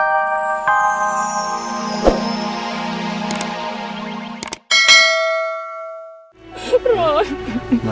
maksudnya kamu mau kasih tau aku karena kamu mau ke tempat